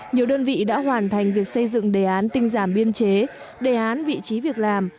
nhiều đơn vị đã hoàn thành việc xây dựng đề án tinh giảm biên chế đề án vị trí việc làm